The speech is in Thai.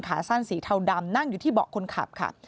ขาสั้นสีเทาดำนั่งอยู่ที่เบาะคนขับค่ะ